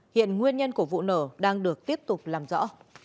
hiện nguyên nhân của vụ nổ đang được tiếp tục làm rõ